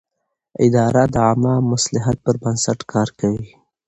اداره د عامه مصلحت پر بنسټ کار کوي.